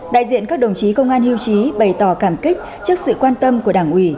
đại diện các đồng chí công an hiêu chí bày tỏ cảm kích trước sự quan tâm của đảng ủy